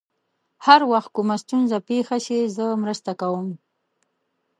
هر وخت کومه ستونزه پېښ شي، زه مرسته کوم.